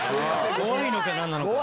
怖いのか何なのか。